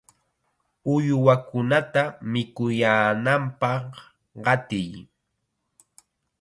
¡Uywakunata mikuyaananpaq qatiy!